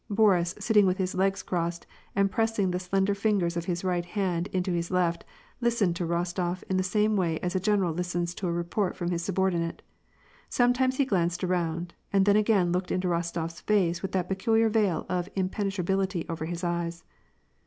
Boris, sitting with his legs crossed, and pressing the slender fingers of his right hand into his left, listened to Rostof in the same way as a general listens to a report from his subordinate ; sometimes he glanced around, and then again looked into Rostofs face with that peculiar veil of impenetrability over his eyes.